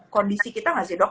kondisi kita nggak sih dok